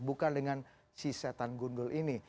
bukan dengan si setan gundul ini